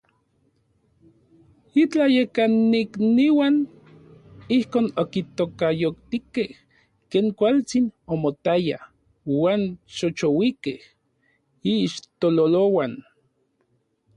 Itlayekanikniuan ijkon okitokayotikej ken kualtsin omotaya uan xoxouikej iixtololouan.